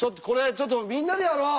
ちょっとみんなでやろう！